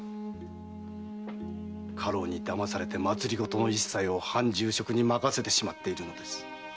家老に騙されて政の一切を藩重職に任せてしまったのです。